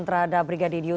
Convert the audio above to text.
selamat sore mbak ipanang